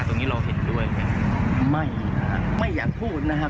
ตรงนี้เราเห็นด้วยไหมไม่ครับไม่อยากพูดนะฮะ